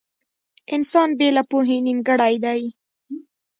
• انسان بې له پوهې نيمګړی دی.